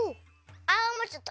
あっもうちょっと。